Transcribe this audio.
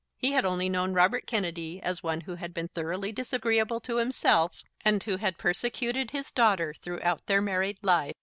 He had only known Robert Kennedy as one who had been thoroughly disagreeable to himself, and who had persecuted his daughter throughout their married life.